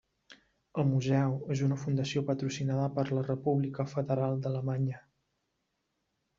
El museu és una fundació patrocinada per la República Federal d'Alemanya.